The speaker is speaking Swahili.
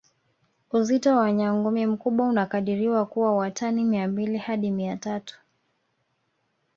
Uzito wa nyangumi mkubwa unakadiriwa kuwa wa tani Mia mbili hadi Mia tatu